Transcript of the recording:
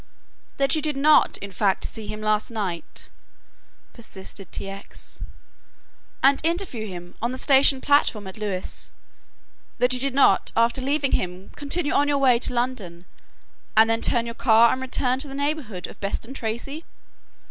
"That you did not in fact see him last night," persisted T. X., "and interview him on the station platform at Lewes, that you did not after leaving him continue on your way to London and then turn your car and return to the neighbourhood of Beston Tracey?"